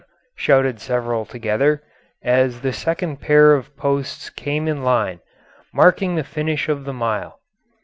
shouted several together, as the second pair of posts came in line, marking the finish of the mile.